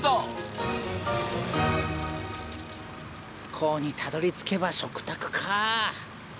向こうにたどりつけば食卓か。